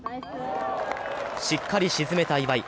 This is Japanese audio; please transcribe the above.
しっかり沈めた岩井。